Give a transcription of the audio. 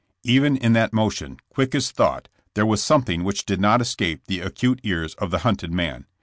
Even in that motion, quick as thought, there was something which did not escape the acute ears of the hunted man.